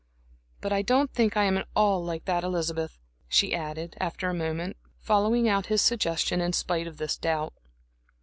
"But I don't think I am at all like that Elizabeth," she added, after a moment, following out his suggestion in spite of this doubt.